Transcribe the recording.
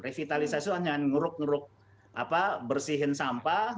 revitalisasi itu hanya ngeruk ngeruk apa bersihin sampah